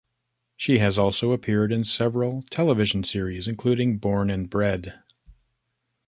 She has also appeared in several television series, including "Born and Bred".